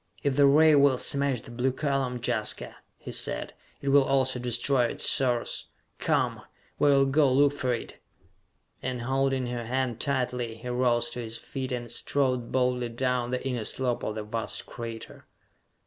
"If the ray will smash the blue column, Jaska," he said, "it will also destroy its source! Come! We will go look for it!" And, holding her hand tightly, he rose to his feet and strode boldly down the inner slope of the vast crater.